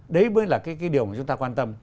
đấy mới là cái điều mà chúng ta quan tâm